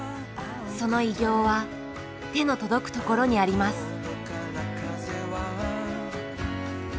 その偉業は手の届くところにあります。